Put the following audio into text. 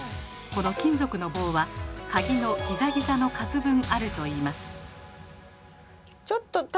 この金属の棒は鍵のギザギザの数ぶんあるといいます。